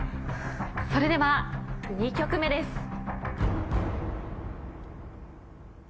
それでは２曲目です。